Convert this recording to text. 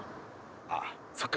ああそっか。